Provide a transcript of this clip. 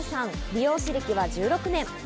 美容師歴は１６年。